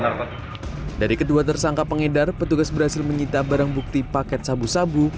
dari kedua tersangka pengedar petugas berhasil menyita barang bukti paket sabu sabu